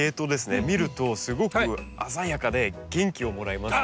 見るとすごく鮮やかで元気をもらえますね。